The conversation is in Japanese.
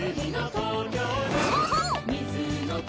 そうそう！